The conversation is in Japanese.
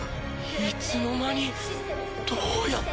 いつの間にどうやって？